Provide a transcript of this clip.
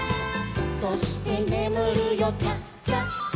「そしてねむるよチャチャチャ」